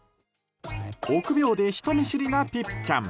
臆病で、人見知りなピピちゃん。